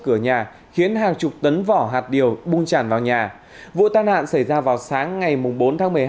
cửa nhà khiến hàng chục tấn vỏ hạt điều bung chản vào nhà vụ tai nạn xảy ra vào sáng ngày bốn tháng